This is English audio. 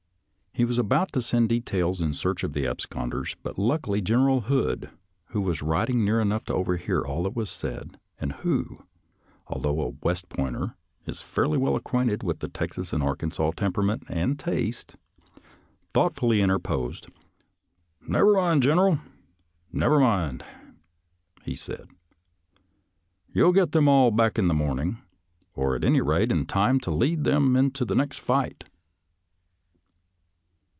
" He was about to send details in search of the absconders, but luckily General Hood, who was riding near enough to overhear all that was said, and who, although a West Pointer, is fairly well acquainted with the Texas and Arkansas temperament and taste, thought fully interposed, " Never mind. General — never mind," he said ;" you'll get them all back in the morning, or at any rate in time to lead them into the next fight."